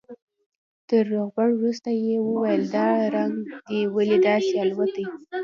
تر روغبړ وروسته يې وويل دا رنگ دې ولې داسې الوتى.